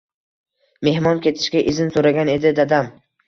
Mehmon ketishga izn so’ragan edi, dadam